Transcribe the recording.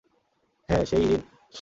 হ্যাঁ, সেই ইরিন।